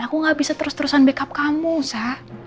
aku gak bisa terus terusan backup kamu saya